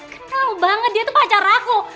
kenal banget dia tuh pacar aku